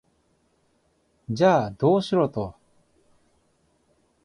じゃあ、どうしろと？